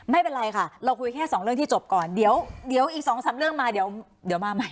ไม่เป็นไรค่ะเราคุยแค่สองเรื่องที่จบก่อนเดี๋ยวอีก๒๓เรื่องมาเดี๋ยวมาใหม่